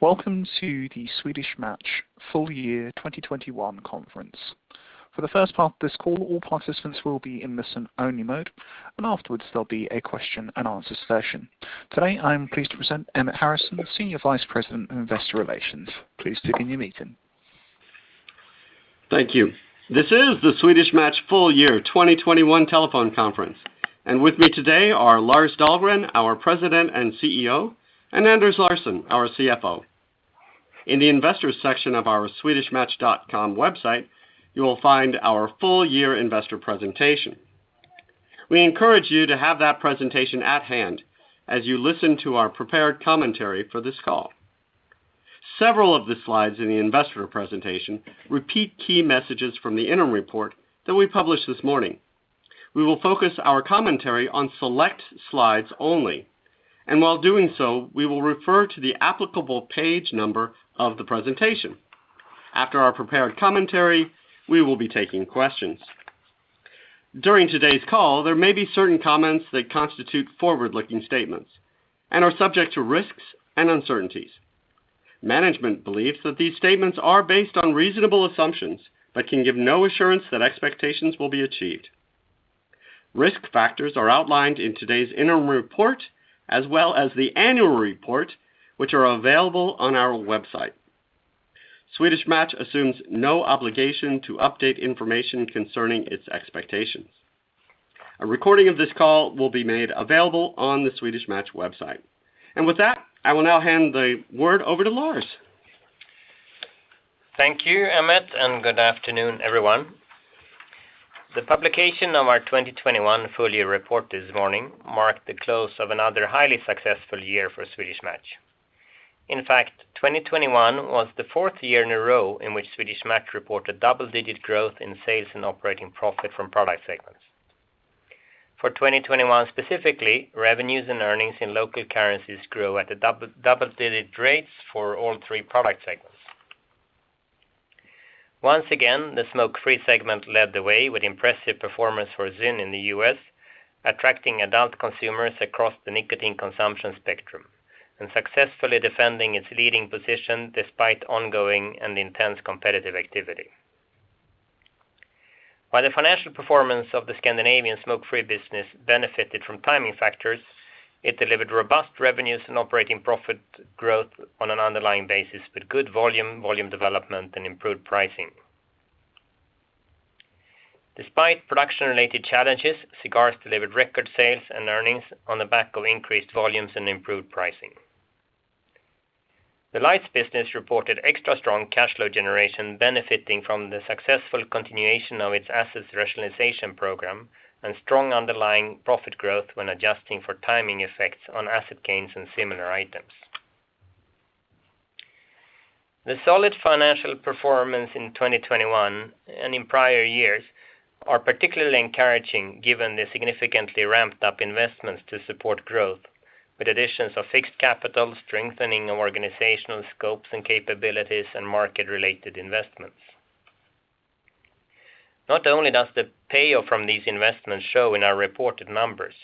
Welcome to the Swedish Match Full Year 2021 conference. For the first part of this call, all participants will be in listen-only mode, and afterwards, there'll be a question and answer session. Today, I am pleased to present Emmett Harrison, Senior Vice President of Investor Relations. Please begin your meeting. Thank you. This is the Swedish Match Full Year 2021 telephone conference. With me today are Lars Dahlgren, our President and CEO, and Anders Larsson, our CFO. In the investors section of our swedishmatch.com website, you will find our full year investor presentation. We encourage you to have that presentation at hand as you listen to our prepared commentary for this call. Several of the slides in the investor presentation repeat key messages from the interim report that we published this morning. We will focus our commentary on select slides only, and while doing so, we will refer to the applicable page number of the presentation. After our prepared commentary, we will be taking questions. During today's call, there may be certain comments that constitute forward-looking statements and are subject to risks and uncertainties. Management believes that these statements are based on reasonable assumptions, but can give no assurance that expectations will be achieved. Risk factors are outlined in today's interim report, as well as the annual report, which are available on our website. Swedish Match assumes no obligation to update information concerning its expectations. A recording of this call will be made available on the Swedish Match website. With that, I will now hand the word over to Lars. Thank you, Emmett, and good afternoon, everyone. The publication of our 2021 full year report this morning marked the close of another highly successful year for Swedish Match. In fact, 2021 was the fourth year in a row in which Swedish Match reported double-digit growth in sales and operating profit from product segments. For 2021, specifically, revenues and earnings in local currencies grew at double-digit rates for all three product segments. Once again, the smoke-free segment led the way with impressive performance for ZYN in the U.S., attracting adult consumers across the nicotine consumption spectrum and successfully defending its leading position despite ongoing and intense competitive activity. While the financial performance of the Scandinavian smoke-free business benefited from timing factors, it delivered robust revenues and operating profit growth on an underlying basis with good volume development, and improved pricing. Despite production-related challenges, cigars delivered record sales and earnings on the back of increased volumes and improved pricing. The lights business reported extra strong cash flow generation benefiting from the successful continuation of its assets rationalization program and strong underlying profit growth when adjusting for timing effects on asset gains and similar items. The solid financial performance in 2021 and in prior years are particularly encouraging given the significantly ramped up investments to support growth with additions of fixed capital, strengthening organizational scopes and capabilities, and market-related investments. Not only does the payoff from these investments show in our reported numbers,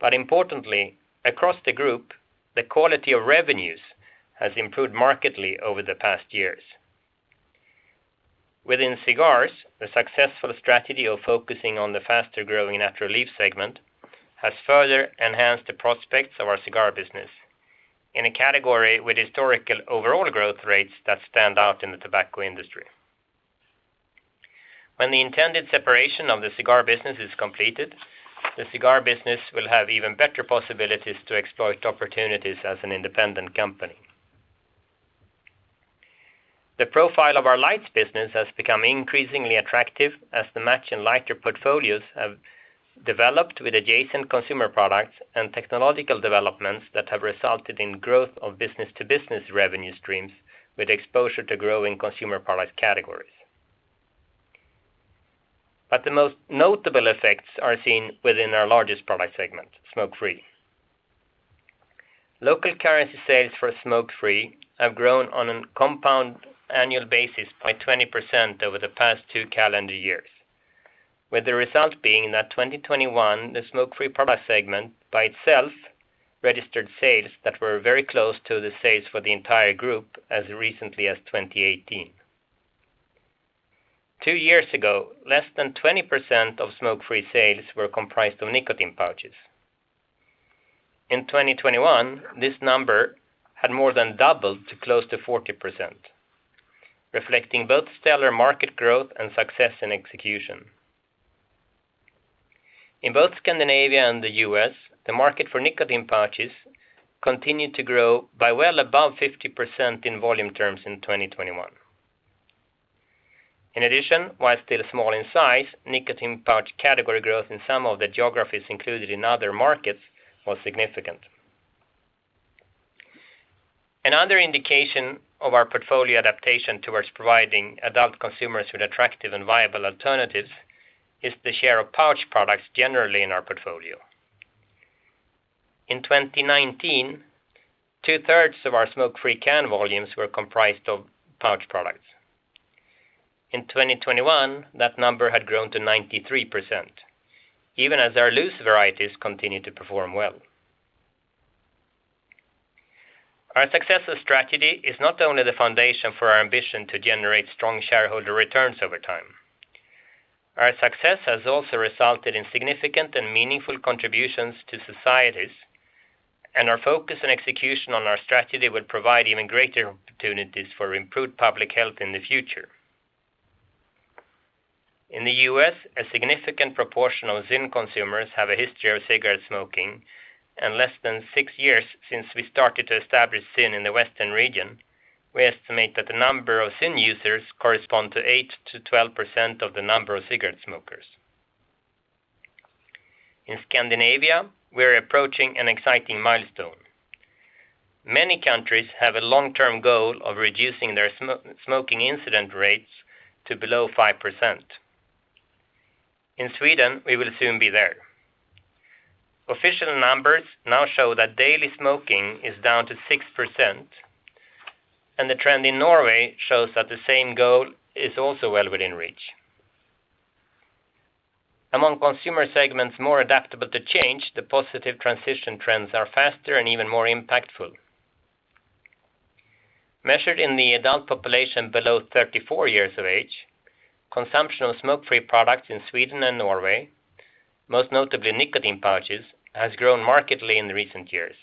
but importantly, across the group, the quality of revenues has improved markedly over the past years. Within cigars, the successful strategy of focusing on the faster-growing natural leaf segment has further enhanced the prospects of our cigar business in a category with historical overall growth rates that stand out in the tobacco industry. When the intended separation of the cigar business is completed, the cigar business will have even better possibilities to exploit opportunities as an independent company. The profile of our lights business has become increasingly attractive as the match and lighter portfolios have developed with adjacent consumer products and technological developments that have resulted in growth of business-to-business revenue streams with exposure to growing consumer product categories. The most notable effects are seen within our largest product segment, smoke-free. Local currency sales for smoke-free have grown on a compound annual basis by 20% over the past two calendar years, with the result being that 2021, the smoke-free product segment by itself registered sales that were very close to the sales for the entire group as recently as 2018. Two years ago, less than 20% of smoke-free sales were comprised of nicotine pouches. In 2021, this number had more than doubled to close to 40%, reflecting both stellar market growth and success in execution. In both Scandinavia and the U.S., the market for nicotine pouches continued to grow by well above 50% in volume terms in 2021. In addition, while still small in size, nicotine pouch category growth in some of the geographies included in other markets was significant. Another indication of our portfolio adaptation towards providing adult consumers with attractive and viable alternatives is the share of pouch products generally in our portfolio. In 2019, two-thirds of our smoke-free can volumes were comprised of pouch products. In 2021, that number had grown to 93%, even as our loose varieties continued to perform well. Our successful strategy is not only the foundation for our ambition to generate strong shareholder returns over time. Our success has also resulted in significant and meaningful contributions to societies, and our focus and execution on our strategy will provide even greater opportunities for improved public health in the future. In the U.S., a significant proportion of ZYN consumers have a history of cigarette smoking, and less than six years since we started to establish ZYN in the Western region, we estimate that the number of ZYN users correspond to 8%-12% of the number of cigarette smokers. In Scandinavia, we are approaching an exciting milestone. Many countries have a long-term goal of reducing their smoking incidence rates to below 5%. In Sweden, we will soon be there. Official numbers now show that daily smoking is down to 6%, and the trend in Norway shows that the same goal is also well within reach. Among consumer segments more adaptable to change, the positive transition trends are faster and even more impactful. Measured in the adult population below 34 years of age, consumption of smoke-free products in Sweden and Norway, most notably nicotine pouches, has grown markedly in recent years,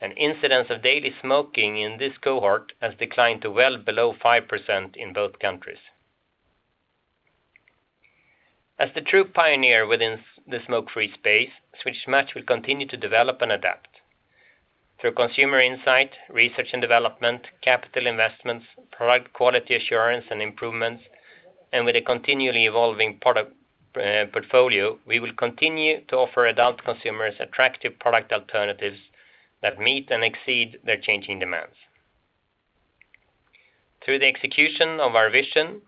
and incidents of daily smoking in this cohort has declined to well below 5% in both countries. As the true pioneer within the smoke-free space, Swedish Match will continue to develop and adapt. Through consumer insight, research and development, capital investments, product quality assurance and improvements, and with a continually evolving product portfolio, we will continue to offer adult consumers attractive product alternatives that meet and exceed their changing demands. Through the execution of our vision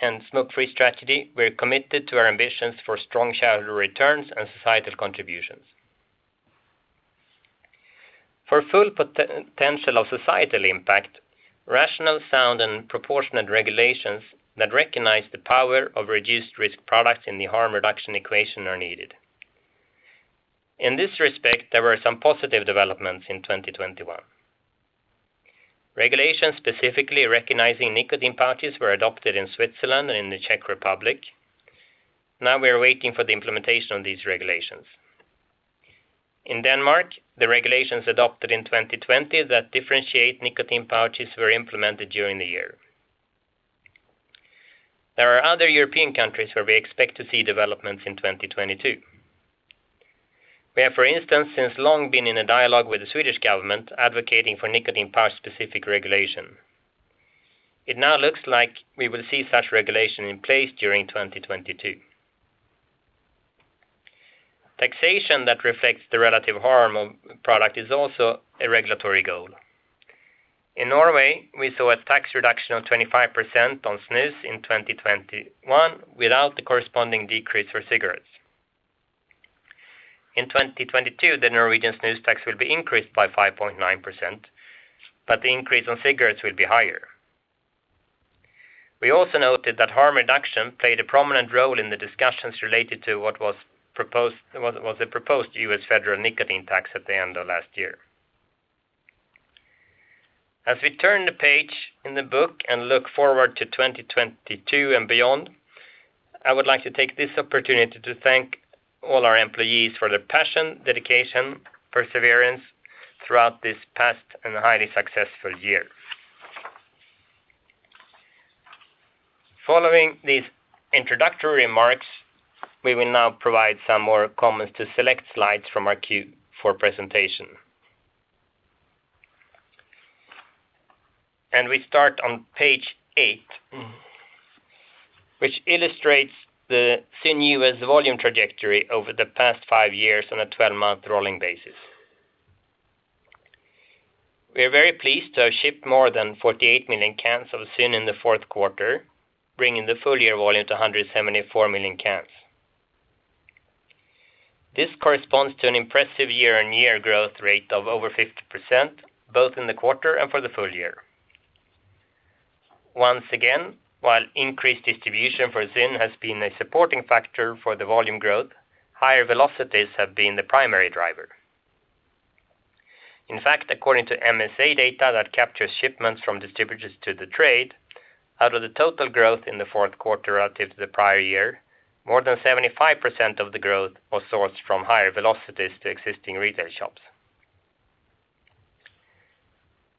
and smoke-free strategy, we are committed to our ambitions for strong shareholder returns and societal contributions. For full potential of societal impact, rational, sound, and proportionate regulations that recognize the power of reduced-risk products in the harm reduction equation are needed. In this respect, there were some positive developments in 2021. Regulations specifically recognizing nicotine pouches were adopted in Switzerland and in the Czech Republic. Now we are waiting for the implementation of these regulations. In Denmark, the regulations adopted in 2020 that differentiate nicotine pouches were implemented during the year. There are other European countries where we expect to see developments in 2022. We have, for instance, since long been in a dialogue with the Swedish government advocating for nicotine pouch specific regulation. It now looks like we will see such regulation in place during 2022. Taxation that reflects the relative harm of product is also a regulatory goal. In Norway, we saw a tax reduction of 25% on snus in 2021 without the corresponding decrease for cigarettes. In 2022, the Norwegian snus tax will be increased by 5.9%, but the increase on cigarettes will be higher. We also noted that harm reduction played a prominent role in the discussions related to what was proposed, the proposed U.S. federal nicotine tax at the end of last year. As we turn the page in the book and look forward to 2022 and beyond, I would like to take this opportunity to thank all our employees for their passion, dedication, perseverance throughout this past and highly successful year. Following these introductory remarks, we will now provide some more comments to select slides from our Q4 presentation. We start on page eight, which illustrates the ZYN U.S. volume trajectory over the past five years on a 12-month rolling basis. We are very pleased to have shipped more than 48 million cans of ZYN in the fourth quarter, bringing the full year volume to 174 million cans. This corresponds to an impressive year-on-year growth rate of over 50%, both in the quarter and for the full year. Once again, while increased distribution for ZYN has been a supporting factor for the volume growth, higher velocities have been the primary driver. In fact, according to MSA data that captures shipments from distributors to the trade, out of the total growth in the fourth quarter relative to the prior year, more than 75% of the growth was sourced from higher velocities to existing retail shops.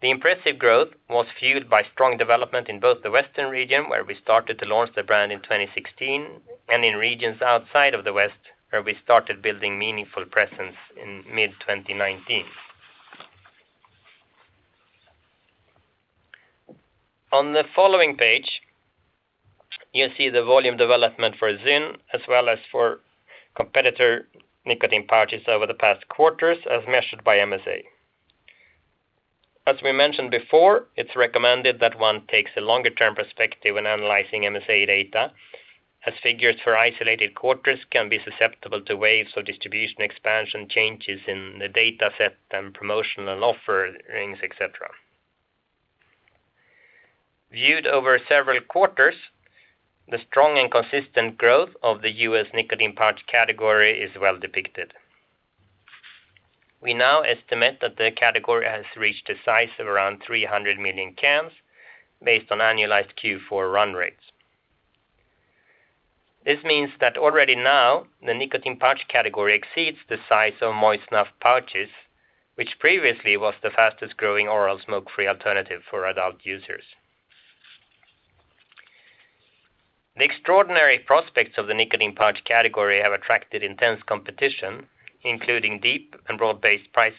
The impressive growth was fueled by strong development in both the Western region, where we started to launch the brand in 2016, and in regions outside of the West, where we started building meaningful presence in mid 2019. On the following page, you see the volume development for ZYN as well as for competitor nicotine pouches over the past quarters as measured by MSA. As we mentioned before, it's recommended that one takes a longer-term perspective when analyzing MSA data. As figures for isolated quarters can be susceptible to waves of distribution expansion, changes in the data set and promotional offerings, etc. Viewed over several quarters, the strong and consistent growth of the U.S. nicotine pouch category is well depicted. We now estimate that the category has reached a size of around 300 million cans based on annualized Q4 run rates. This means that already now the nicotine pouch category exceeds the size of moist snuff pouches, which previously was the fastest-growing oral smoke-free alternative for adult users. The extraordinary prospects of the nicotine pouch category have attracted intense competition, including deep and broad-based price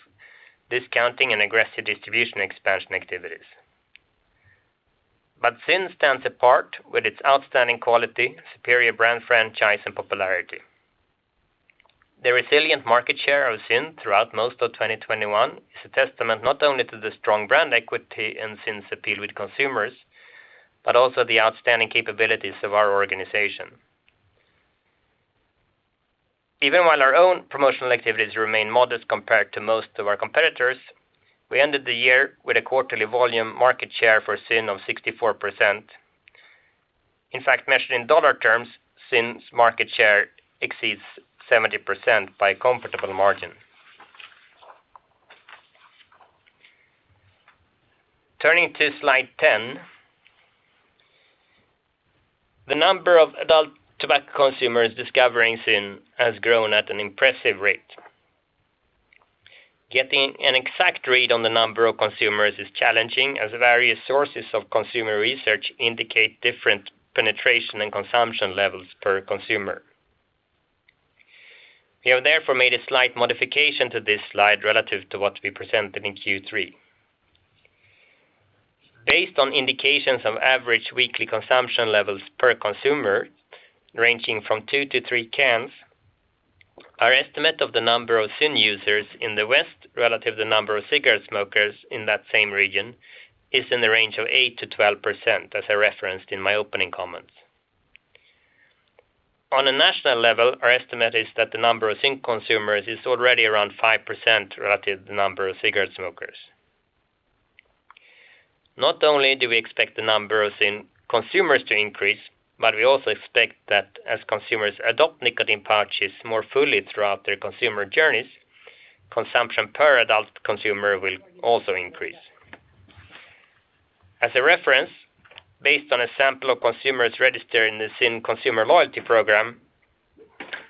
discounting and aggressive distribution expansion activities. ZYN stands apart with its outstanding quality, superior brand franchise, and popularity. The resilient market share of ZYN throughout most of 2021 is a testament not only to the strong brand equity and ZYN's appeal with consumers, but also the outstanding capabilities of our organization. Even while our own promotional activities remain modest compared to most of our competitors, we ended the year with a quarterly volume market share for ZYN of 64%. In fact, measured in dollar terms, ZYN's market share exceeds 70% by a comfortable margin. Turning to slide 10. The number of adult tobacco consumers discovering ZYN has grown at an impressive rate. Getting an exact read on the number of consumers is challenging, as various sources of consumer research indicate different penetration and consumption levels per consumer. We have therefore made a slight modification to this slide relative to what we presented in Q3. Based on indications of average weekly consumption levels per consumer, ranging from 2-3 cans, our estimate of the number of ZYN users in the West relative to the number of cigarette smokers in that same region is in the range of 8%-12%, as I referenced in my opening comments. On a national level, our estimate is that the number of ZYN consumers is already around 5% relative to the number of cigarette smokers. Not only do we expect the number of ZYN consumers to increase, but we also expect that as consumers adopt nicotine pouches more fully throughout their consumer journeys, consumption per adult consumer will also increase. As a reference, based on a sample of consumers registered in the ZYN Rewards,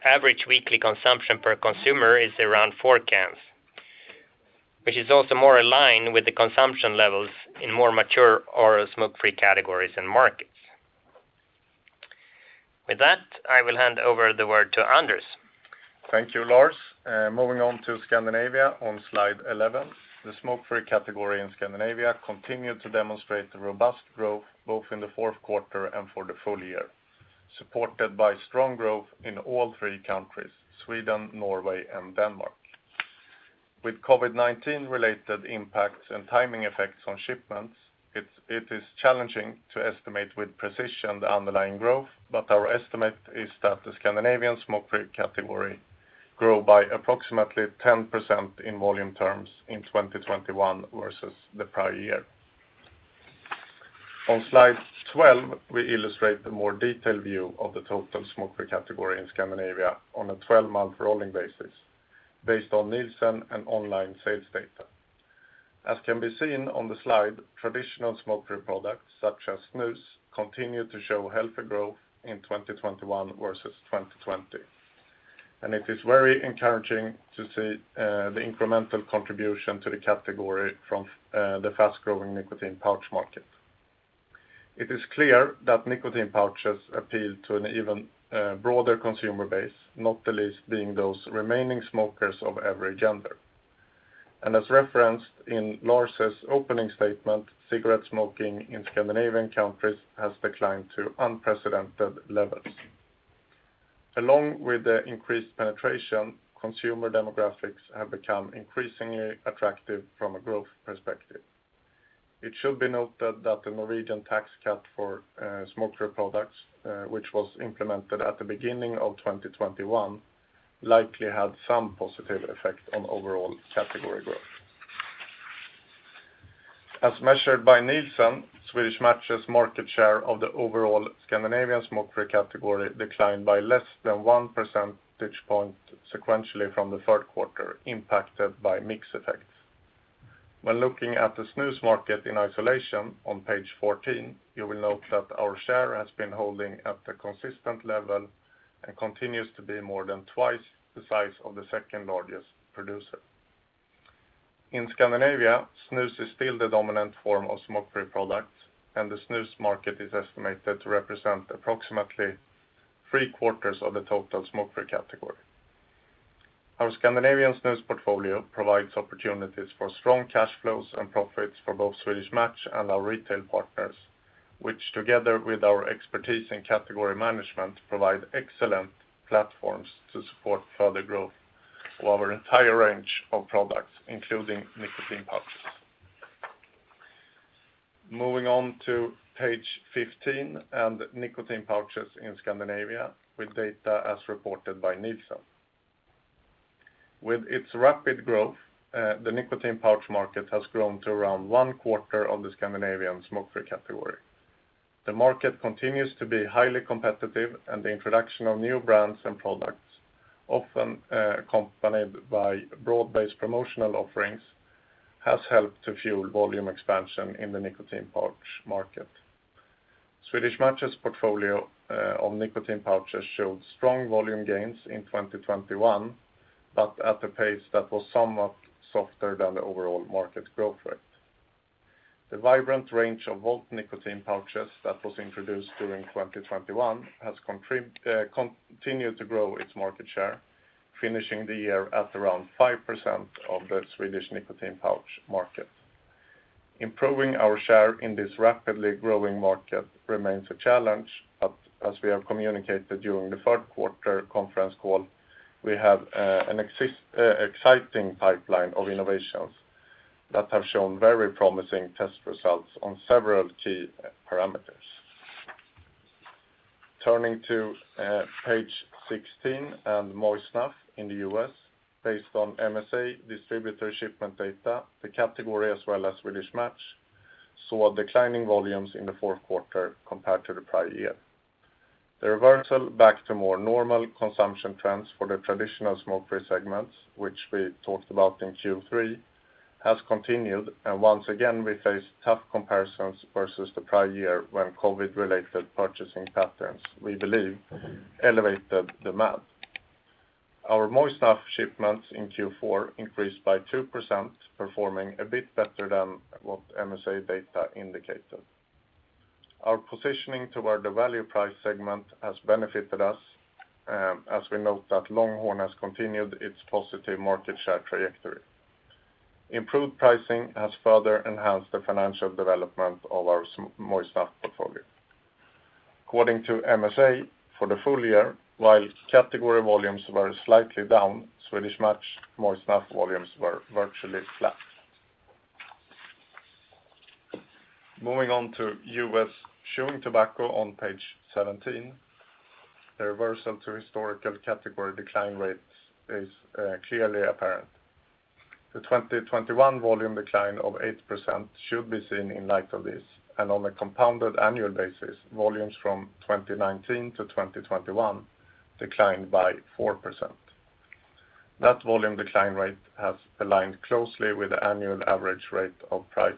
average weekly consumption per consumer is around four cans, which is also more aligned with the consumption levels in more mature oral smoke-free categories and markets. With that, I will hand over the word to Anders. Thank you, Lars. Moving on to Scandinavia on slide 11. The smoke-free category in Scandinavia continued to demonstrate the robust growth both in the fourth quarter and for the full year, supported by strong growth in all three countries, Sweden, Norway, and Denmark. With COVID-19 related impacts and timing effects on shipments, it is challenging to estimate with precision the underlying growth, but our estimate is that the Scandinavian smoke-free category grew by approximately 10% in volume terms in 2021 versus the prior year. On slide 12, we illustrate the more detailed view of the total smoke-free category in Scandinavia on a 12-month rolling basis based on Nielsen and online sales data. As can be seen on the slide, traditional smoke-free products such as snus continue to show healthy growth in 2021 versus 2020. It is very encouraging to see the incremental contribution to the category from the fast-growing nicotine pouch market. It is clear that nicotine pouches appeal to an even broader consumer base, not the least being those remaining smokers of every gender. As referenced in Lars' opening statement, cigarette smoking in Scandinavian countries has declined to unprecedented levels. Along with the increased penetration, consumer demographics have become increasingly attractive from a growth perspective. It should be noted that the Norwegian tax cut for smoke-free products, which was implemented at the beginning of 2021, likely had some positive effect on overall category growth. As measured by Nielsen, Swedish Match's market share of the overall Scandinavian smoke-free category declined by less than one percentage point sequentially from the third quarter, impacted by mix effects. When looking at the snus market in isolation on page 14, you will note that our share has been holding at a consistent level and continues to be more than twice the size of the second-largest producer. In Scandinavia, snus is still the dominant form of smoke-free products, and the snus market is estimated to represent approximately three-quarters of the total smoke-free category. Our Scandinavian snus portfolio provides opportunities for strong cash flows and profits for both Swedish Match and our retail partners, which together with our expertise in category management, provide excellent platforms to support further growth of our entire range of products, including nicotine pouch. Moving on to page 15 and nicotine pouches in Scandinavia with data as reported by Nielsen. With its rapid growth, the nicotine pouch market has grown to around one-quarter of the Scandinavian smoke-free category. The market continues to be highly competitive, and the introduction of new brands and products, often accompanied by broad-based promotional offerings, has helped to fuel volume expansion in the nicotine pouch market. Swedish Match's portfolio on nicotine pouches showed strong volume gains in 2021, but at a pace that was somewhat softer than the overall market growth rate. The vibrant range of Volt nicotine pouches that was introduced during 2021 has continued to grow its market share, finishing the year at around 5% of the Swedish nicotine pouch market. Improving our share in this rapidly growing market remains a challenge, but as we have communicated during the third quarter conference call, we have an exciting pipeline of innovations that have shown very promising test results on several key parameters. Turning to page 16 and moist snuff in the U.S. based on MSA distributor shipment data, the category as well as Swedish Match saw declining volumes in the fourth quarter compared to the prior year. The reversal back to more normal consumption trends for the traditional smoke-free segments, which we talked about in Q3, has continued, and once again, we face tough comparisons versus the prior year when COVID-related purchasing patterns, we believe, elevated demand. Our moist snuff shipments in Q4 increased by 2%, performing a bit better than what MSA data indicated. Our positioning toward the value price segment has benefited us, as we note that Longhorn has continued its positive market share trajectory. Improved pricing has further enhanced the financial development of our moist snuff portfolio. According to MSA, for the full year, while category volumes were slightly down, Swedish Match moist snuff volumes were virtually flat. Moving on to U.S. chewing tobacco on page 17. The reversal to historical category decline rates is clearly apparent. The 2021 volume decline of 8% should be seen in light of this. On a compounded annual basis, volumes from 2019 to 2021 declined by 4%. That volume decline rate has aligned closely with the annual average rate of price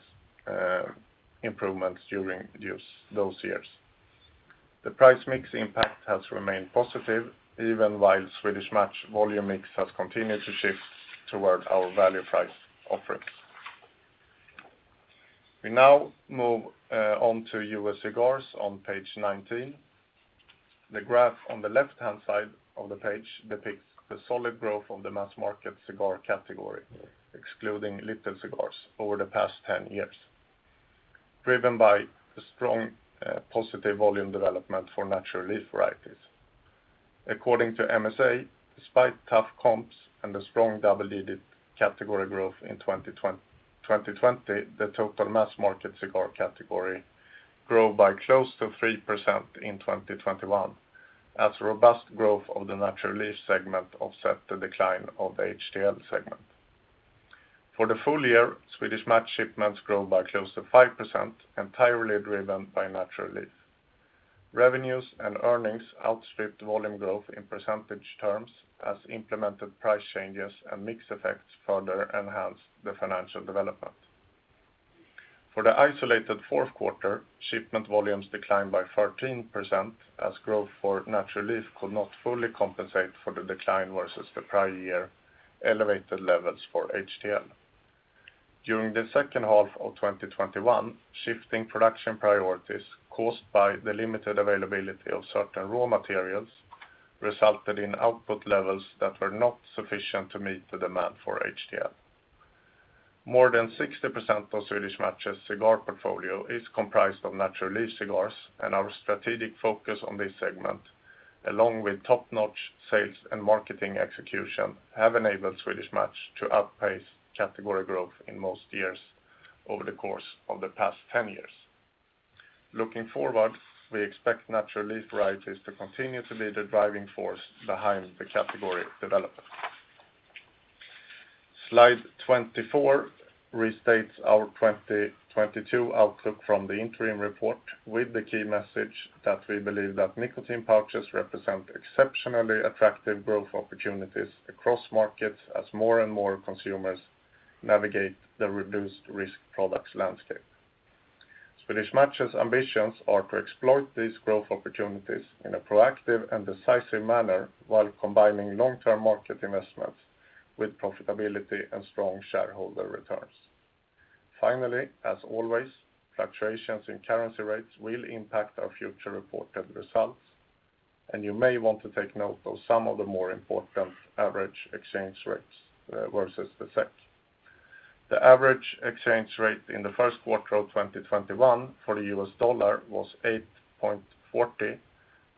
improvements during those years. The price mix impact has remained positive even while Swedish Match volume mix has continued to shift toward our value price offerings. We now move on to U.S. cigars on page 19. The graph on the left-hand side of the page depicts the solid growth of the mass market cigar category, excluding little cigars over the past 10 years, driven by a strong, positive volume development for natural leaf varieties. According to MSA, despite tough comps and a strong double-digit category growth in 2020, the total mass market cigar category grew by close to 3% in 2021 as robust growth of the natural leaf segment offset the decline of the HTL segment. For the full year, Swedish Match shipments grew by close to 5%, entirely driven by natural leaf. Revenues and earnings outstripped volume growth in percentage terms as implemented price changes and mix effects further enhanced the financial development. For the isolated fourth quarter, shipment volumes declined by 13% as growth for natural leaf could not fully compensate for the decline versus the prior year elevated levels for HTL. During the second half of 2021, shifting production priorities caused by the limited availability of certain raw materials resulted in output levels that were not sufficient to meet the demand for HTL. More than 60% of Swedish Match's cigar portfolio is comprised of natural leaf cigars, and our strategic focus on this segment, along with top-notch sales and marketing execution, have enabled Swedish Match to outpace category growth in most years over the course of the past 10 years. Looking forward, we expect natural leaf varieties to continue to be the driving force behind the category development. Slide 24 restates our 2022 outlook from the interim report with the key message that we believe that nicotine pouches represent exceptionally attractive growth opportunities across markets as more and more consumers navigate the reduced risk products landscape. Swedish Match's ambitions are to exploit these growth opportunities in a proactive and decisive manner while combining long-term market investments with profitability and strong shareholder returns. Finally, as always, fluctuations in currency rates will impact our future reported results, and you may want to take note of some of the more important average exchange rates versus the SEK. The average exchange rate in the first quarter of 2021 for the $8.40,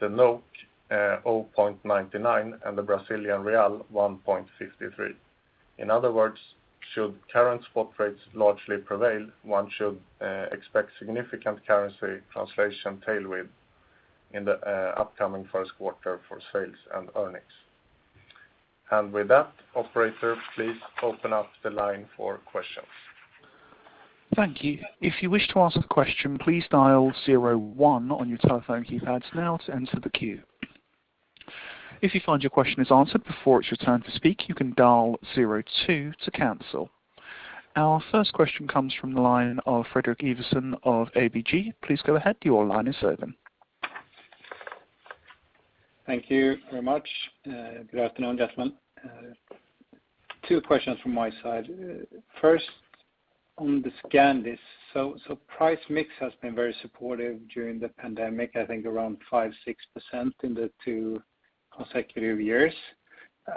0.99, and the 1.53. In other words, should current spot rates largely prevail, one should expect significant currency translation tailwind in the upcoming first quarter for sales and earnings. With that, operator, please open up the line for questions. Thank you. If you wish to ask a question, please dial zero one on your telephone keypads now to enter the queue. If you find your question is answered before it's your turn to speak, you can dial zero two to cancel. Our first question comes from the line of Fredrik Ivarsson of ABG. Please go ahead. Your line is open. Thank you very much. Good afternoon, gentlemen. Two questions from my side. First, on the Scandis. Price mix has been very supportive during the pandemic, I think around 5%-6% in the two consecutive years.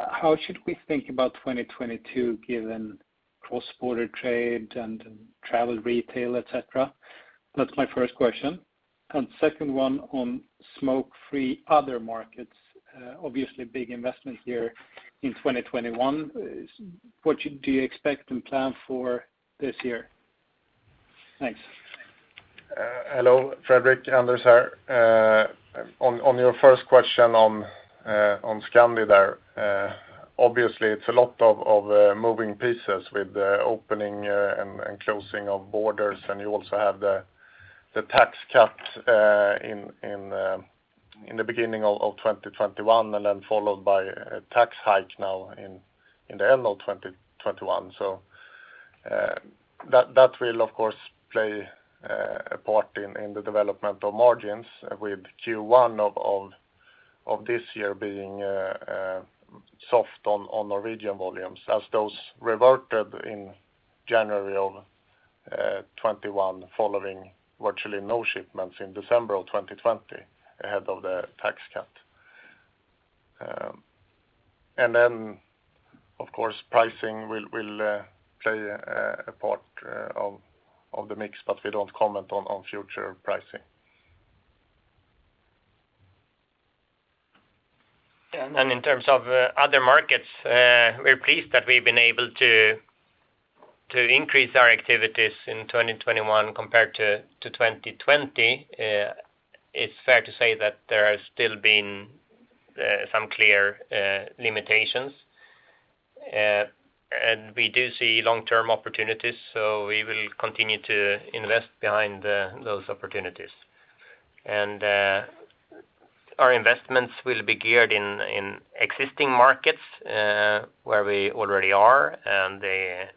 How should we think about 2022 given cross-border trade and travel retail, etc? That's my first question. Second one on smoke-free other markets, obviously a big investment here in 2021. What do you expect and plan for this year? Thanks. Hello, Fredrik. Anders here. On your first question on Scandi there, obviously it's a lot of moving pieces with the opening and closing of borders, and you also have the tax cut in the beginning of 2021 and then followed by a tax hike now in the end of 2021. That will of course play a part in the development of margins with Q1 of this year being soft on Norwegian volumes as those reverted in January of 2021 following virtually no shipments in December of 2020 ahead of the tax cut. Of course, pricing will play a part of the mix, but we don't comment on future pricing. In terms of other markets, we're pleased that we've been able to increase our activities in 2021 compared to 2020. It's fair to say that there has still been some clear limitations. We do see long-term opportunities, so we will continue to invest behind those opportunities. Our investments will be geared in existing markets where we already are, and the core markets,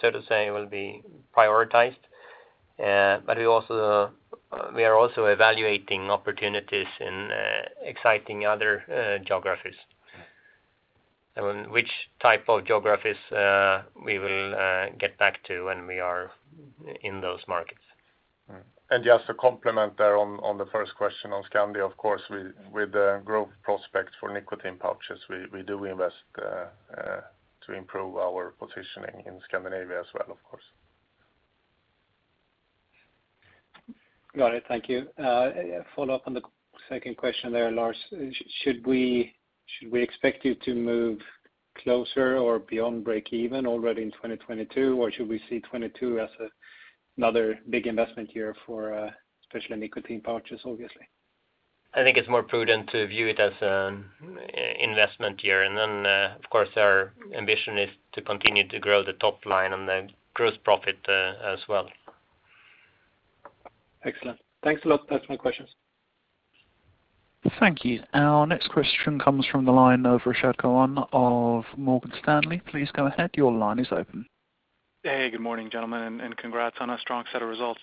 so to say, will be prioritized. But we are also evaluating opportunities in exciting other geographies. Which type of geographies we will get back to when we are in those markets. Just to complement there on the first question on Scandi, of course, with the growth prospects for nicotine pouches, we do invest to improve our positioning in Scandinavia as well, of course. Got it. Thank you. A follow-up on the second question there, Lars. Should we expect you to move closer or beyond breakeven already in 2022? Or should we see 2022 as another big investment year for, especially nicotine pouches, obviously? I think it's more prudent to view it as an investment year. Of course, our ambition is to continue to grow the top line and the gross profit, as well. Excellent. Thanks a lot. That's my questions. Thank you. Our next question comes from the line of Rashad Kawan of Morgan Stanley. Please go ahead. Your line is open. Hey, good morning, gentlemen, and congrats on a strong set of results.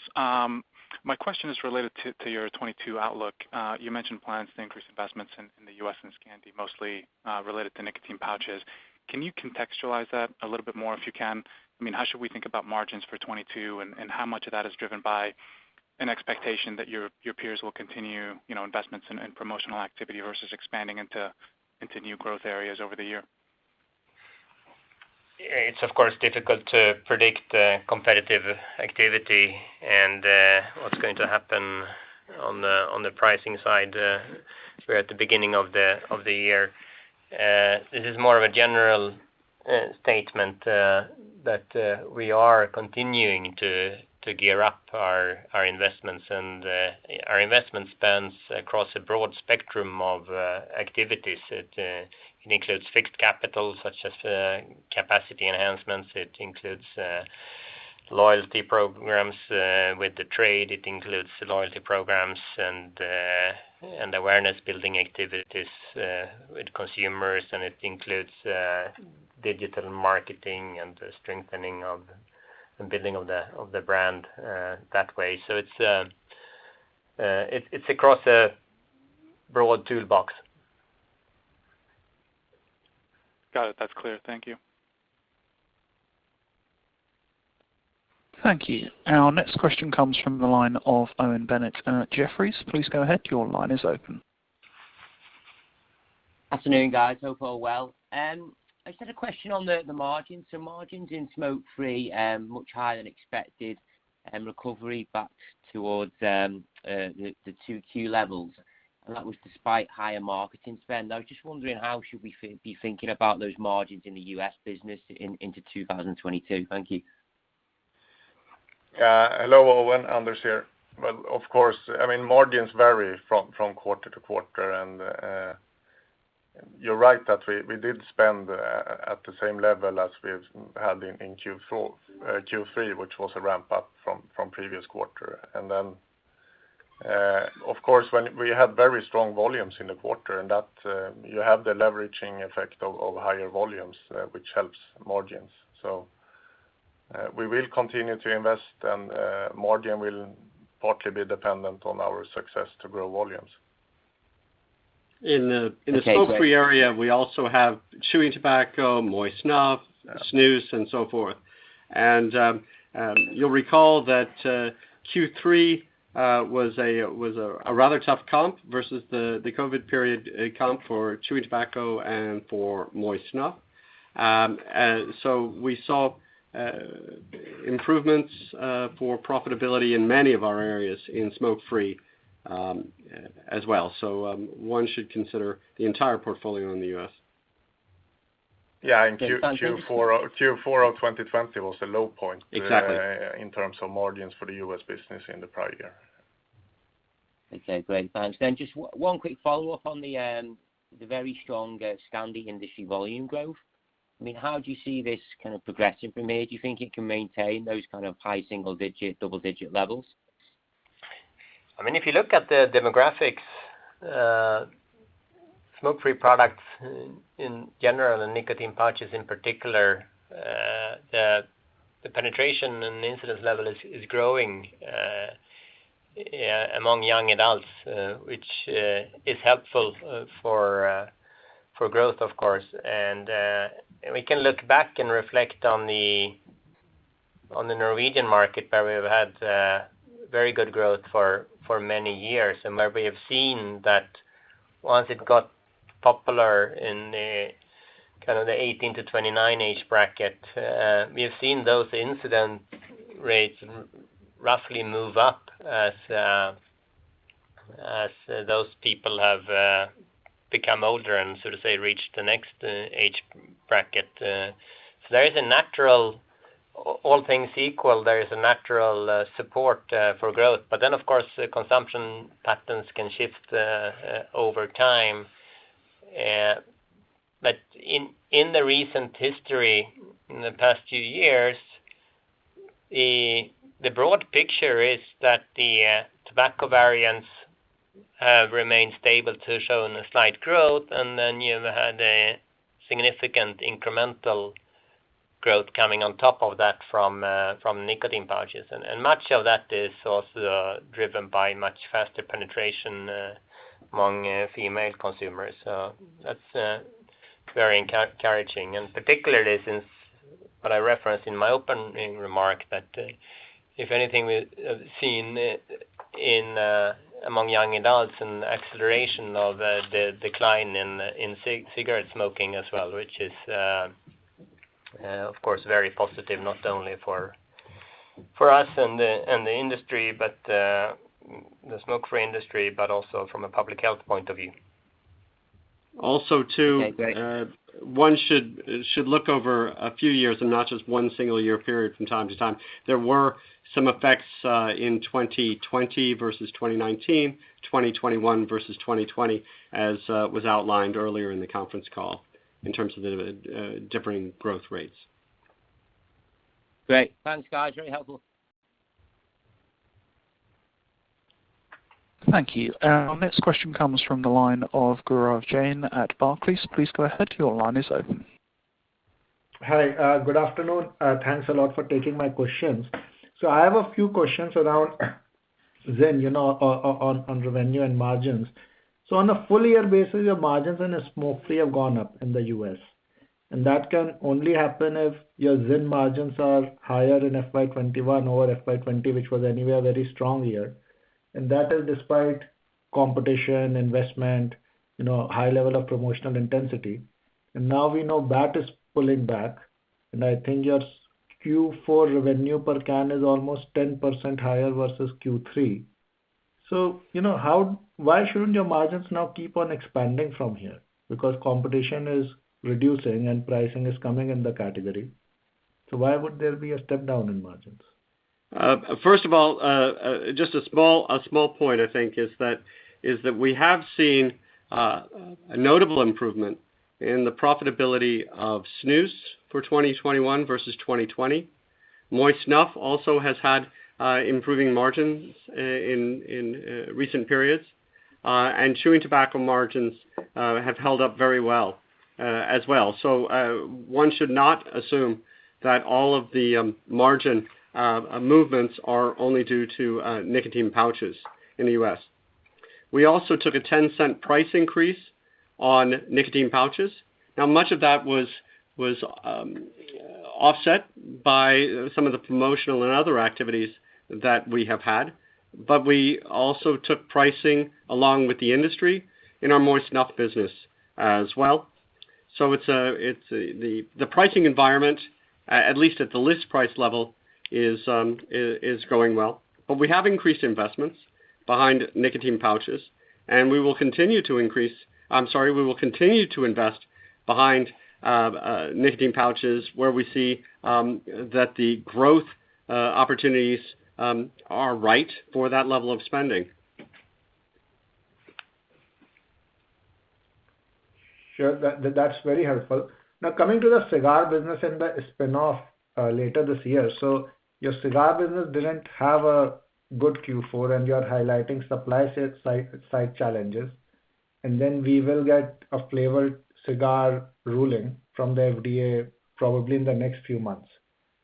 My question is related to your 2022 outlook. You mentioned plans to increase investments in the U.S. and Scandi, mostly related to nicotine pouches. Can you contextualize that a little bit more if you can? I mean, how should we think about margins for 2022, and how much of that is driven by an expectation that your peers will continue, you know, investments in promotional activity versus expanding into new growth areas over the year? It's, of course, difficult to predict competitive activity and what's going to happen on the pricing side. We're at the beginning of the year. This is more of a general statement that we are continuing to gear up our investments. Our investment spans across a broad spectrum of activities. It includes fixed capital, such as capacity enhancements. It includes loyalty programs with the trade. It includes loyalty programs and awareness building activities with consumers, and it includes digital marketing and strengthening and building of the brand that way. It's across a broad toolbox. Got it. That's clear. Thank you. Thank you. Our next question comes from the line of Owen Bennett at Jefferies. Please go ahead. Your line is open. Afternoon, guys. Hope all well. I just had a question on the margins. Margins in smoke-free much higher than expected, recovery back towards the two key levels, and that was despite higher marketing spend. I was just wondering how should we be thinking about those margins in the U.S. business into 2022. Thank you. Hello, Owen, Anders here. Well, of course, I mean, margins vary from quarter to quarter. You're right that we did spend at the same level as we've had in Q3, which was a ramp-up from previous quarter. Of course, when we had very strong volumes in the quarter and that you have the leveraging effect of higher volumes, which helps margins. We will continue to invest and margin will partly be dependent on our success to grow volumes. In the smoke-free area, we also have chewing tobacco, moist snuff, snus, and so forth. You'll recall that Q3 was a rather tough comp versus the COVID period comp for chewing tobacco and for moist snuff. We saw improvements for profitability in many of our areas in smoke-free as well. One should consider the entire portfolio in the U.S. Yeah. In Q4 of 2020 was a low point. Exactly in terms of margins for the U.S. business in the prior year. Okay, great. Thanks. Just one quick follow-up on the very strong Scandi industry volume growth. I mean, how do you see this kind of progressing from here? Do you think it can maintain those kind of high single digit, double digit levels? I mean, if you look at the demographics, smoke-free products in general and nicotine pouches in particular, the penetration and incidence level is growing among young adults, which is helpful for growth, of course. We can look back and reflect on the Norwegian market where we've had very good growth for many years and where we have seen that once it got popular in kind of the 18-29 age bracket, we have seen those incidence rates roughly move up as those people have become older and so to say, reached the next age bracket. All things equal, there is a natural support for growth. Of course, consumption patterns can shift over time. In the recent history, in the past few years, the broad picture is that the tobacco variants have remained stable, showing a slight growth, and then you've had a significant incremental growth coming on top of that from nicotine pouches. Much of that is also driven by much faster penetration among female consumers. That's very encouraging, and particularly since what I referenced in my opening remark, that if anything we have seen among young adults an acceleration of the decline in cigarette smoking as well, which is of course very positive, not only for us and the industry, but the smoke-free industry, but also from a public health point of view. Okay, great. One should look over a few years and not just one single year period from time to time. There were some effects in 2020 versus 2019, 2021 versus 2020, as was outlined earlier in the conference call in terms of the differing growth rates. Great. Thanks, guys. Very helpful. Thank you. Our next question comes from the line of Gaurav Jain at Barclays. Please go ahead. Your line is open. Hi, good afternoon. Thanks a lot for taking my questions. I have a few questions around ZYN, you know, on revenue and margins. On a full year basis, your margins in smoke-free have gone up in the U.S., and that can only happen if your ZYN margins are higher in FY 2021 over FY 2020, which was anyway a very strong year. That is despite competition, investment, you know, high level of promotional intensity. Now we know BAT is pulling back, and I think your Q4 revenue per can is almost 10% higher versus Q3. You know, why shouldn't your margins now keep on expanding from here? Because competition is reducing and pricing is coming in the category, so why would there be a step down in margins? First of all, just a small point. I think is that we have seen a notable improvement in the profitability of snus for 2021 versus 2020. Moist snuff also has had improving margins in recent periods. Chewing tobacco margins have held up very well, as well. One should not assume that all of the margin movements are only due to nicotine pouches in the U.S. We also took a $0.10 price increase on nicotine pouches. Now, much of that was offset by some of the promotional and other activities that we have had. We also took pricing along with the industry in our moist snuff business as well. The pricing environment, at least at the list price level, is going well. We have increased investments We will continue to invest behind nicotine pouches where we see that the growth opportunities are right for that level of spending. Sure. That's very helpful. Now, coming to the cigar business and the spinoff later this year. Your cigar business didn't have a good Q4, and you're highlighting supply side challenges. We will get a flavored cigar ruling from the FDA probably in the next few months.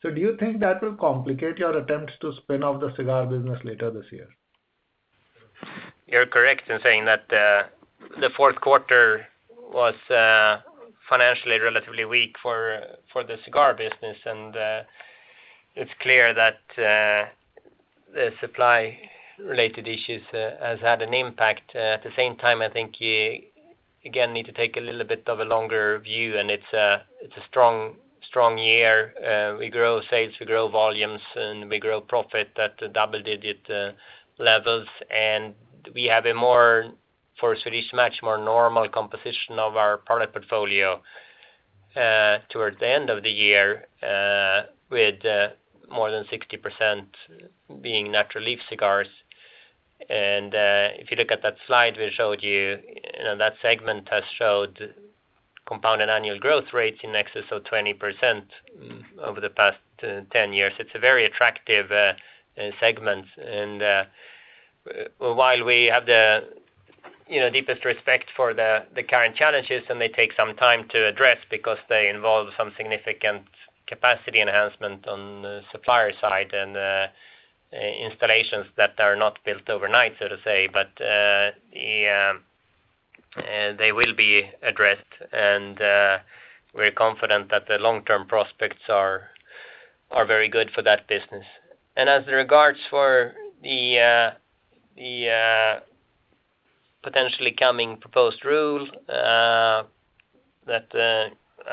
Do you think that will complicate your attempts to spin off the cigar business later this year? You're correct in saying that the fourth quarter was financially relatively weak for the cigar business. It's clear that the supply related issues has had an impact. At the same time, I think you again need to take a little bit of a longer view, and it's a strong year. We grow sales, we grow volumes, and we grow profit at double-digit levels. We have a more normal composition of our product portfolio towards the end of the year with more than 60% being natural leaf cigars. If you look at that slide we showed you know, that segment has showed compounded annual growth rates in excess of 20% over the past 10 years. It's a very attractive segment. While we have the, you know, deepest respect for the current challenges, and they take some time to address because they involve some significant capacity enhancement on the supplier side and installations that are not built overnight, so to say, but yeah, they will be addressed. We're confident that the long-term prospects are very good for that business. As regards for the potentially coming proposed rule that I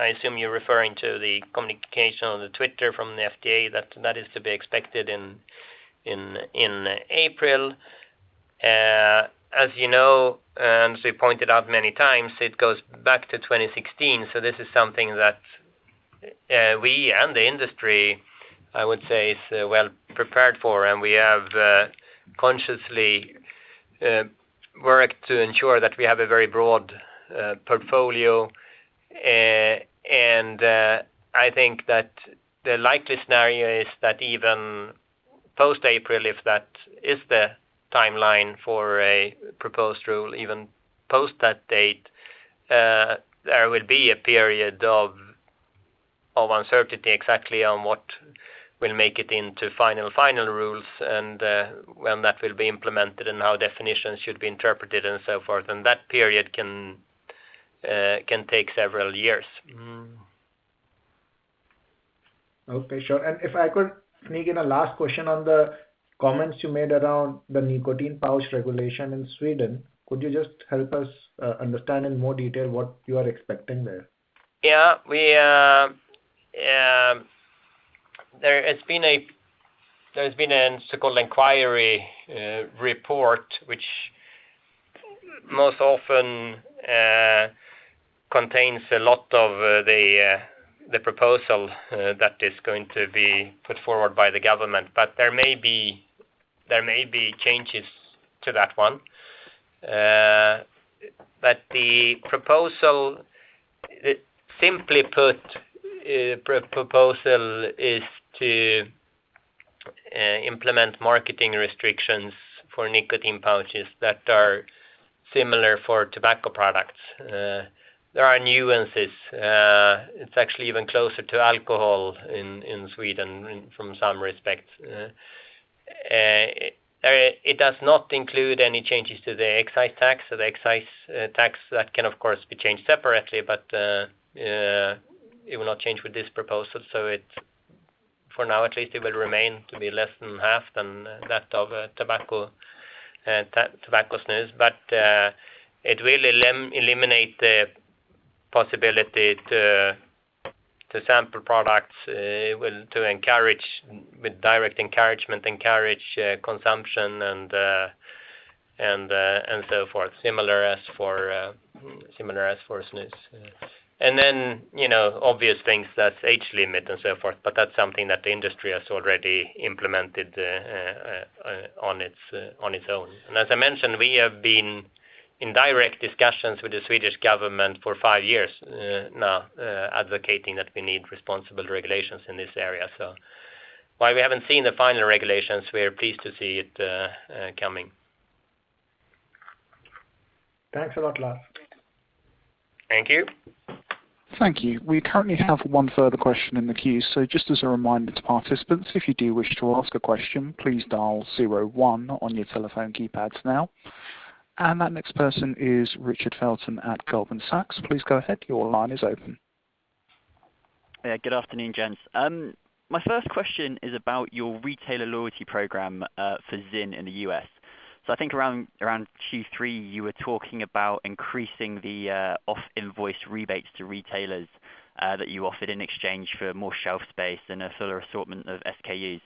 assume you're referring to the communication on the Twitter from the FDA, that is to be expected in April. As you know, and as we pointed out many times, it goes back to 2016, so this is something that we and the industry, I would say, is well prepared for. We have consciously worked to ensure that we have a very broad portfolio. I think that the likely scenario is that even post-April, if that is the timeline for a proposed rule, even post that date, there will be a period of uncertainty exactly on what will make it into final rules and when that will be implemented and how definitions should be interpreted and so forth. That period can take several years. Okay, sure. If I could sneak in a last question on the comments you made around the nicotine pouch regulation in Sweden, could you just help us understand in more detail what you are expecting there? There has been a so-called inquiry report, which most often contains a lot of the proposal that is going to be put forward by the government. There may be changes to that one. The proposal, simply put, is to implement marketing restrictions for nicotine pouches that are similar for tobacco products. There are nuances. It's actually even closer to alcohol in Sweden in some respects. It does not include any changes to the excise tax. The excise tax can of course be changed separately, but it will not change with this proposal. It, for now at least, will remain to be less than half than that of tobacco and tobacco snus. It will eliminate the possibility to sample products to encourage with direct encouragement consumption and so forth, similar as for snus. You know, obvious things. That's age limit and so forth, but that's something that the industry has already implemented on its own. As I mentioned, we have been in direct discussions with the Swedish government for five years now advocating that we need responsible regulations in this area. While we haven't seen the final regulations, we are pleased to see it coming. Thanks a lot, Lars. Thank you. Thank you. We currently have one further question in the queue. Just as a reminder to participants, if you do wish to ask a question, please dial zero one on your telephone keypads now. That next person is Richard Felton at Goldman Sachs. Please go ahead. Your line is open. Yeah, good afternoon, gents. My first question is about your retailer loyalty program for ZYN in the U.S. I think around Q3, you were talking about increasing the off-invoice rebates to retailers that you offered in exchange for more shelf space and a fuller assortment of SKUs,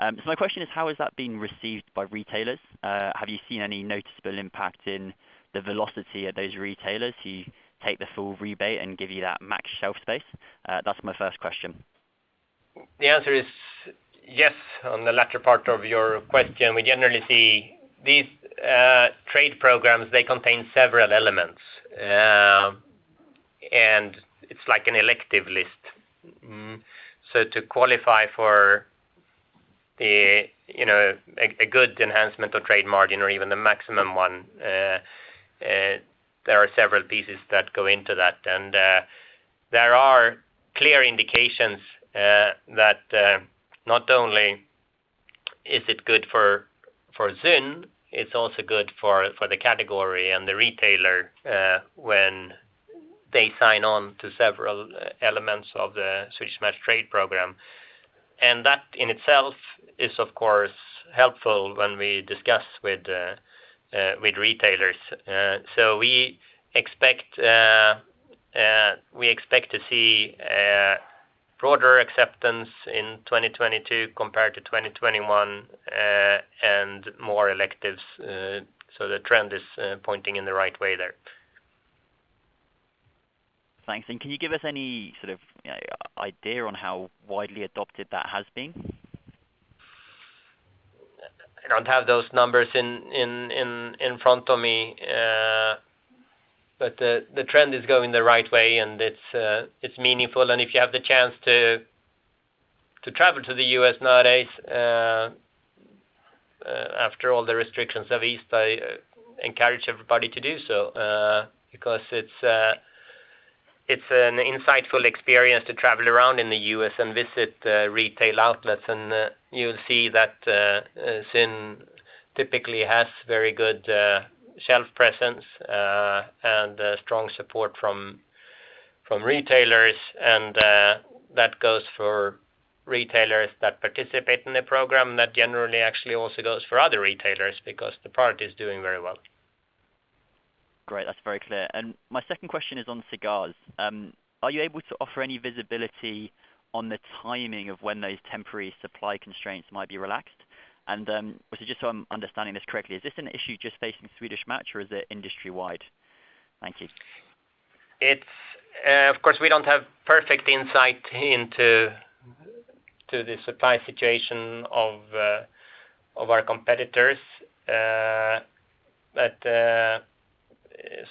so my question is, how has that been received by retailers? Have you seen any noticeable impact in the velocity of those retailers who take the full rebate and give you that max shelf space? That's my first question. The answer is yes on the latter part of your question. We generally see these trade programs. They contain several elements. It's like an elective list. To qualify for the, you know, a good enhancement or trade margin or even the maximum one, there are several pieces that go into that. There are clear indications that not only is it good for ZYN, it's also good for the category and the retailer when they sign on to several elements of the Swedish Match trade program. That in itself is, of course, helpful when we discuss with retailers. We expect to see a broader acceptance in 2022 compared to 2021 and more electives. The trend is pointing in the right way there. Thanks. Can you give us any sort of idea on how widely adopted that has been? I don't have those numbers in front of me. The trend is going the right way, and it's meaningful. If you have the chance to travel to the U.S. nowadays, after all the restrictions have eased, I encourage everybody to do so, because it's an insightful experience to travel around in the U.S. and visit retail outlets. You'll see that ZYN typically has very good shelf presence, and strong support from retailers. That goes for retailers that participate in the program. That generally actually also goes for other retailers because the product is doing very well. Great. That's very clear. My second question is on cigars. Are you able to offer any visibility on the timing of when those temporary supply constraints might be relaxed? Just so I'm understanding this correctly, is this an issue just facing Swedish Match or is it industry-wide? Thank you. Of course, we don't have perfect insight into the supply situation of our competitors.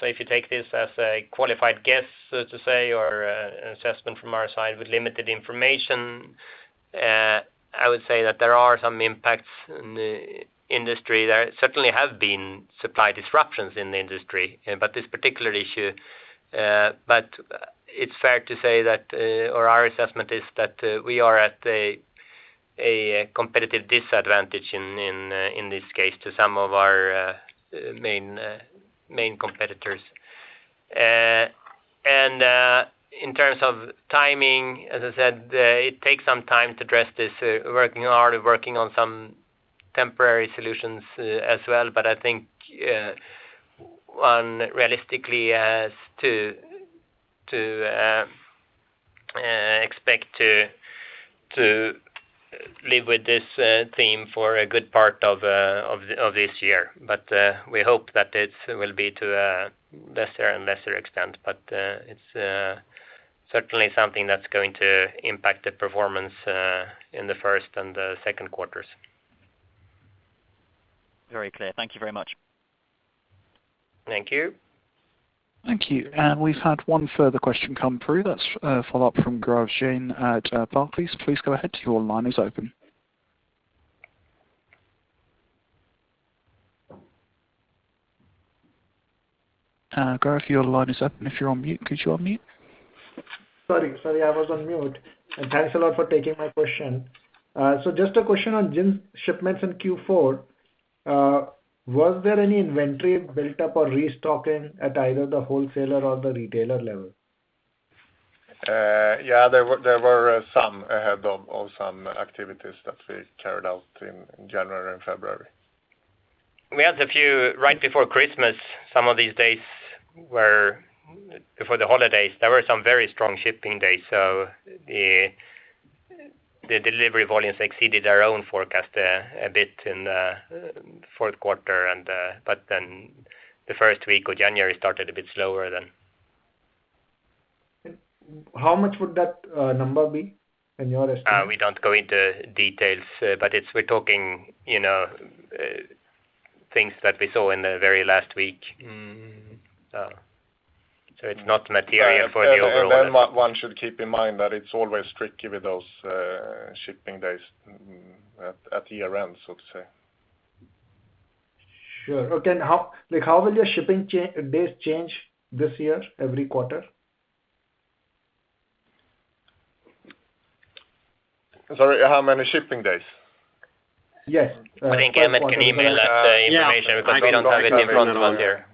If you take this as a qualified guess, so to say, or an assessment from our side with limited information, I would say that there are some impacts in the industry. There certainly have been supply disruptions in the industry about this particular issue. It's fair to say that our assessment is that we are at a competitive disadvantage in this case to some of our main competitors. In terms of timing, as I said, it takes some time to address this. Working hard on some temporary solutions as well. I think one realistically has to expect to live with this theme for a good part of this year. We hope that it will be to a lesser and lesser extent. It's certainly something that's going to impact the performance in the first and the second quarters. Very clear. Thank you very much. Thank you. Thank you. We've had one further question come through. That's a follow-up from Gaurav Jain at Barclays. Please go ahead. Your line is open. Gaurav, your line is open. If you're on mute, could you unmute? Sorry, I was on mute. Thanks a lot for taking my question. Just a question on ZYN's shipments in Q4. Was there any inventory built up or restocking at either the wholesaler or the retailer level? Yeah, there were some ahead of some activities that we carried out in January and February. We had a few right before Christmas. Some of these days were before the holidays. There were some very strong shipping days, so the delivery volumes exceeded our own forecast a bit in fourth quarter. The first week of January started a bit slower than. How much would that, number be in your estimate? We don't go into details, but it's, we're talking, you know, things that we saw in the very last week. Mm-hmm. It's not material for the overall. One should keep in mind that it's always tricky with those shipping days at year-end, so to say. Sure. Okay. Like, how will your shipping days change this year every quarter? Sorry, how many shipping days? Yes. I think Emmett can email that information because we don't have it in front of us here.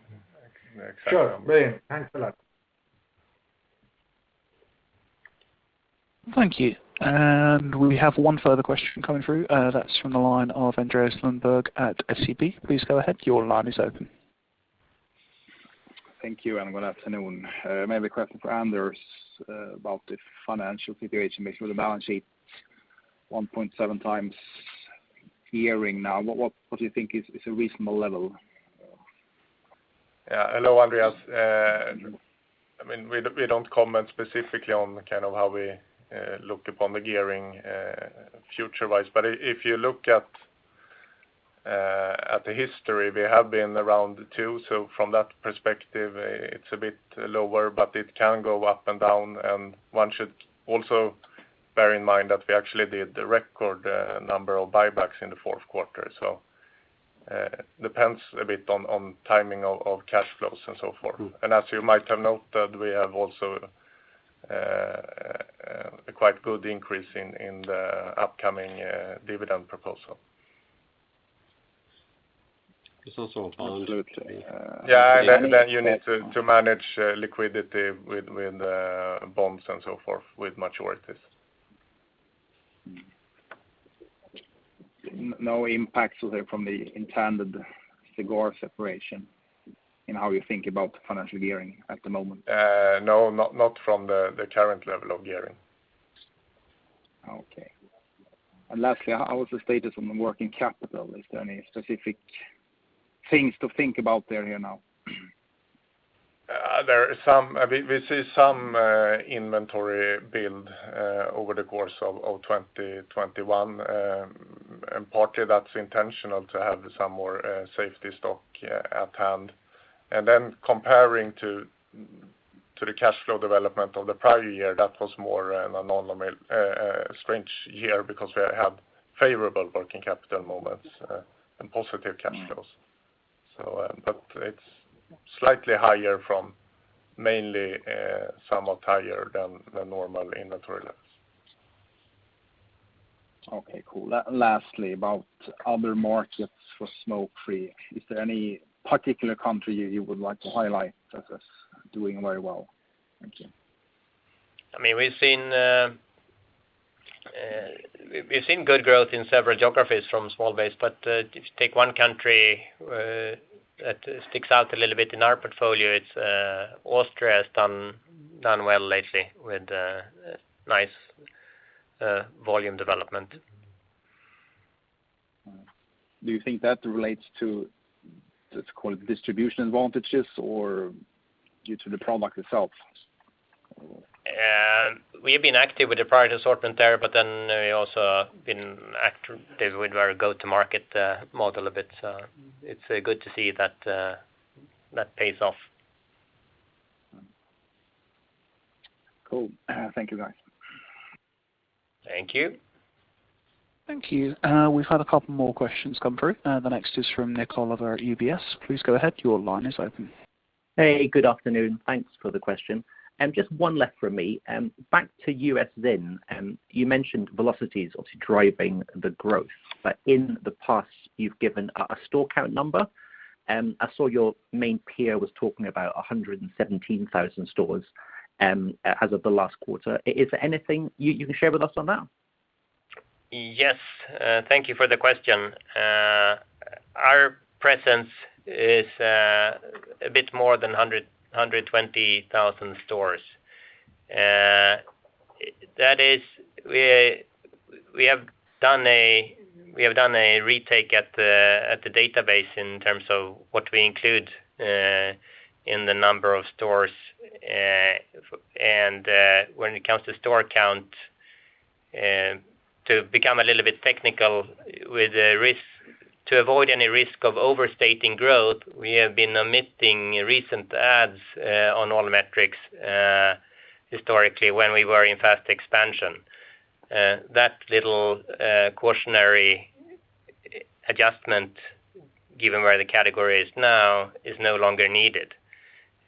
Exactly. Sure. Brilliant. Thanks a lot. Thank you. We have one further question coming through. That's from the line of Andreas Lundberg at SEB. Please go ahead. Your line is open. Thank you and good afternoon. I have a question for Anders, about the financial situation, basically the balance sheet, 1.7x gearing now. What do you think is a reasonable level? Yeah. Hello, Andreas. I mean, we don't comment specifically on kind of how we look upon the gearing future-wise. If you look at the history, we have been around two. From that perspective, it's a bit lower, but it can go up and down. One should also bear in mind that we actually did the record number of buybacks in the fourth quarter. It depends a bit on timing of cash flows and so forth. Mm. As you might have noted, we have also a quite good increase in the upcoming dividend proposal. It's also absolute. Yeah. You need to manage liquidity with bonds and so forth with maturities. No impacts from the intended cigar separation in how you think about the financial gearing at the moment? No, not from the current level of gearing. Okay. Lastly, how is the status on the working capital? Is there any specific things to think about there here now? We see some inventory build over the course of 2021. Partly that's intentional to have some more safety stock at hand. Comparing to the cash flow development of the prior year, that was more an anomaly, strange year because we had favorable working capital movements and positive cash flows. Mm. It's slightly higher from mainly, somewhat higher than the normal inventory levels. Okay, cool. Lastly, about other markets for smoke-free, is there any particular country you would like to highlight that is doing very well? Thank you. I mean, we've seen good growth in several geographies from small base. If you take one country that sticks out a little bit in our portfolio, it's Austria has done well lately with nice volume development. Do you think that relates to, let's call it distribution advantages or due to the product itself? We've been active with the product assortment there, but then we've also been active with our go-to-market model a bit. It's good to see that pays off. Cool. Thank you, guys. Thank you. Thank you. We've had a couple more questions come through. The next is from Nik Oliver at UBS. Please go ahead. Your line is open. Hey, good afternoon. Thanks for the question. Just one left from me. Back to U.S. ZYN. You mentioned velocity is obviously driving the growth, but in the past you've given a store count number. I saw your main peer was talking about 117,000 stores as of the last quarter. Is there anything you can share with us on that? Yes. Thank you for the question. Our presence is a bit more than 120,000 stores. That is, we have done a retake at the database in terms of what we include in the number of stores. When it comes to store count, to avoid any risk of overstating growth, we have been omitting recent adds on all metrics historically when we were in fast expansion. That little cautionary adjustment, given where the category is now, is no longer needed.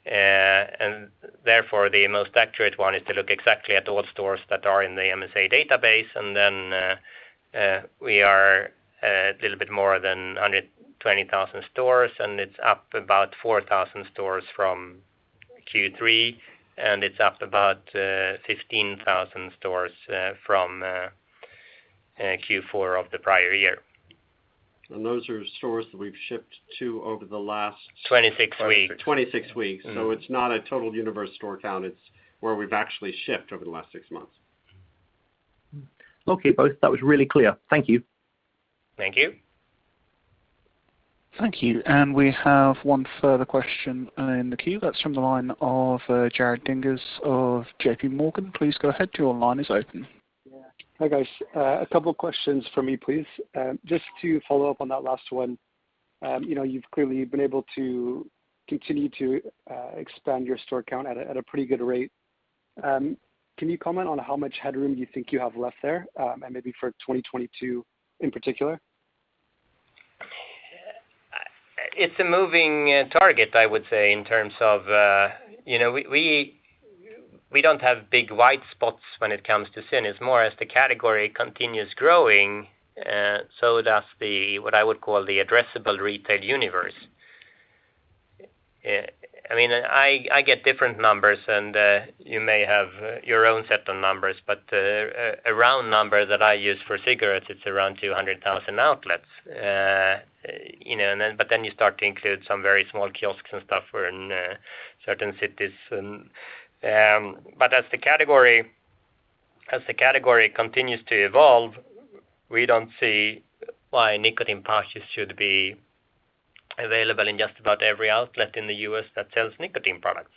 Therefore the most accurate one is to look exactly at all stores that are in the MSA database. We are a little bit more than 120,000 stores, and it's up about 4,000 stores from Q3, and it's up about 15,000 stores from Q4 of the prior year. Those are stores that we've shipped to over the last- 26 weeks. 26 weeks. It's not a total universe store count. It's where we've actually shipped over the last six months. Okay, both. That was really clear. Thank you. Thank you. Thank you. We have one further question in the queue. That's from the line of Jared Dinges of JPMorgan. Please go ahead. Your line is open. Yeah. Hi, guys. A couple questions for me, please. Just to follow up on that last one, you know, you've clearly been able to continue to expand your store count at a pretty good rate. Can you comment on how much headroom you think you have left there, and maybe for 2022 in particular? It's a moving target, I would say, in terms of, you know, we don't have big wide spots when it comes to ZYN. It's more as the category continues growing, so does the, what I would call the addressable retail universe. I mean, I get different numbers and, you may have your own set of numbers, but, a round number that I use for cigarettes, it's around 200,000 outlets. You know, and then, but then you start to include some very small kiosks and stuff or in, certain cities. As the category continues to evolve, we don't see why nicotine pouches should be available in just about every outlet in the U.S. that sells nicotine products.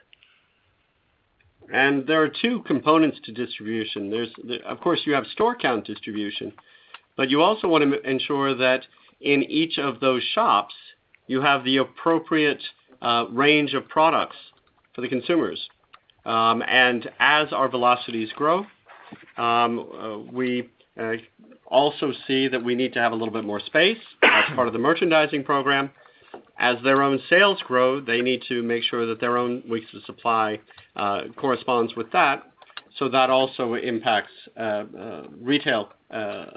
There are two components to distribution. There's the. Of course, you have store count distribution, but you also wanna ensure that in each of those shops, you have the appropriate range of products for the consumers. As our velocities grow, we also see that we need to have a little bit more space as part of the merchandising program. As their own sales grow, they need to make sure that their own weeks of supply corresponds with that. That also impacts retail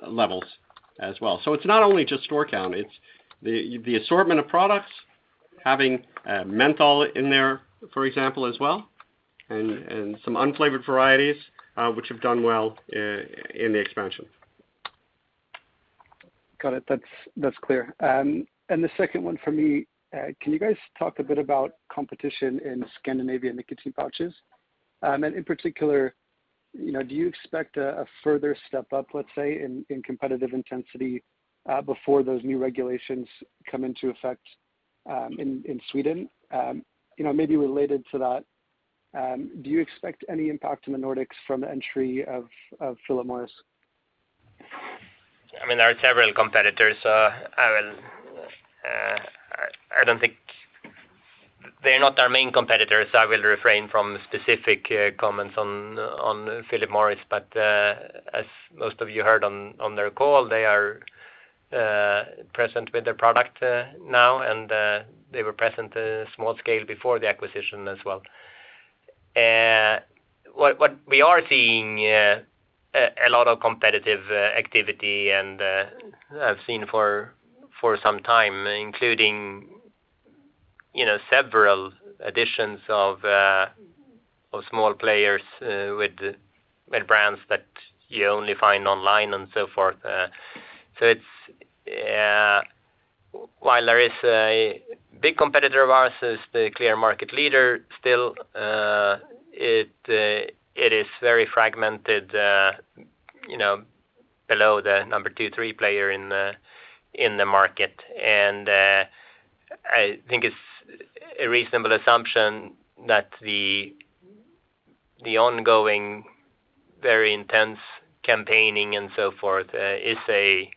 levels as well. It's not only just store count, it's the assortment of products, having menthol in there, for example, as well, and some unflavored varieties, which have done well in the expansion. Got it. That's clear. The second one for me, can you guys talk a bit about competition in Scandinavia nicotine pouches? In particular, you know, do you expect a further step up, let's say, in competitive intensity, before those new regulations come into effect, in Sweden? You know, maybe related to that, do you expect any impact in the Nordics from entry of Philip Morris? I mean, there are several competitors. I don't think they're our main competitors, so I will refrain from specific comments on Philip Morris. As most of you heard on their call, they are present with their product now, and they were present on a small scale before the acquisition as well. What we are seeing is a lot of competitive activity and have seen for some time, including, you know, several additions of small players with brands that you only find online and so forth. While there is a big competitor of ours, it is the clear market leader still, it is very fragmented, you know, below the number two, three player in the market. I think it's a reasonable assumption that the ongoing, very intense campaigning and so forth is a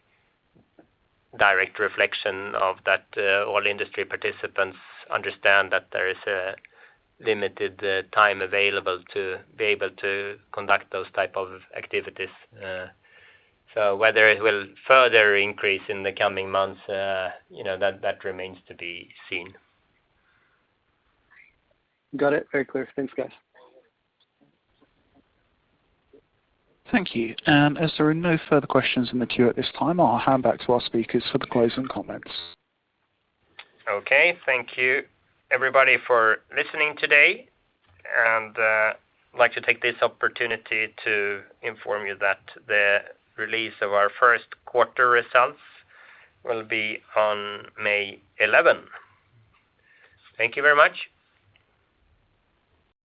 direct reflection of that. All industry participants understand that there is a limited time available to be able to conduct those type of activities. Whether it will further increase in the coming months, you know, that remains to be seen. Got it. Very clear. Thanks, guys. Thank you. As there are no further questions in the queue at this time, I'll hand back to our speakers for the closing comments. Okay, thank you everybody for listening today, and I'd like to take this opportunity to inform you that the release of our first quarter results will be on May 11. Thank you very much.